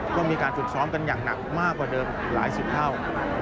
ก็มีการฝึกซ้อมกันอย่างหนักมากกว่าเดิมหลายสิบเท่า